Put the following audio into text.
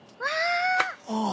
ああ！